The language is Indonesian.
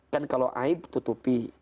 kan kalau aib tutupi